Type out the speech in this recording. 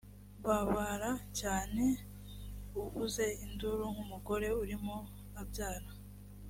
babara cyane uvuze induru nk umugore urimo abyara